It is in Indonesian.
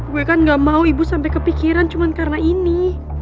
gue kan gak mau ibu sampai kepikiran cuma karena ini